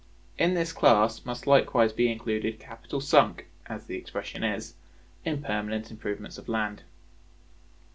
In this class must likewise be included capital sunk (as the expression is) in permanent improvements of land.